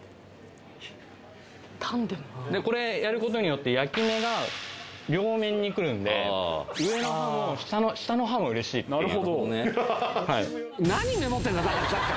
あこれやることによって焼き目が両面に来るんで上の歯も下の歯も嬉しいっていう